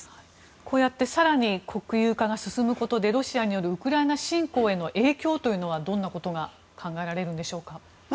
こうやって更に国有化が進むことでロシアによるウクライナ侵攻への影響というのは、どんなことが考えられるんでしょうか。